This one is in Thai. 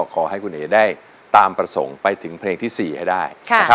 ขอให้คุณเอ๋ได้ตามประสงค์ไปถึงเพลงที่๔ให้ได้